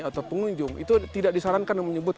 atau pengunjung itu tidak disarankan menyebut